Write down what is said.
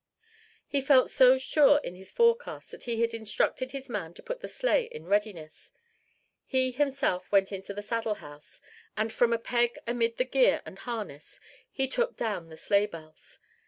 He felt so sure in his forecast that he had instructed his man to put the sleigh in readiness. He himself went into the saddle house and from a peg amid the gear and harness he took down the sleighbells.